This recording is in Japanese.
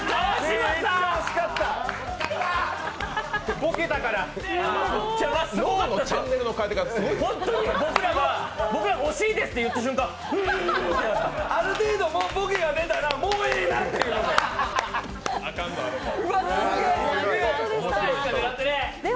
ある程度、ボケが出たらもうええなっていうので。